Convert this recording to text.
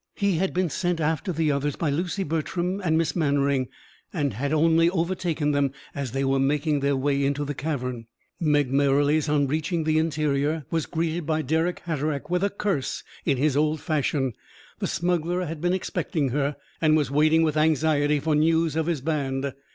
He had been sent after the others by Lucy Bertram and Miss Mannering, and had only overtaken them as they were making their way into the cavern. Meg Merrilies, on reaching the interior, was greeted by Dirck Hatteraick with a curse in his old fashion the smuggler had been expecting her, and was waiting with anxiety for news of his band.